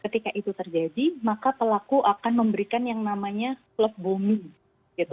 kemudian ketika itu terjadi maka pelaku akan memberikan yang namanya love bombing gitu